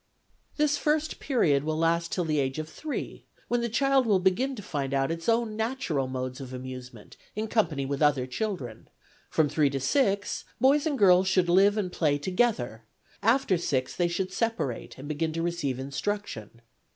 This first period will last till the age of three, when the child will begin to find out its own natural modes of amusement in company with other children : from three to six, boys and girls should live and play together : after six they should separate, and begin to receive instruction.